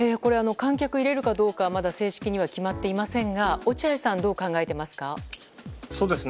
観客を入れるかどうかまだ正式には決まっていませんが落合さん、どう考えていますか？